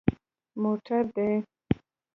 _موټر دي؟